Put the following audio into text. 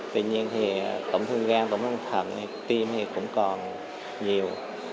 tuy nhiên thì tổng thương gan tổng thương thần tim thì cũng còn nhiều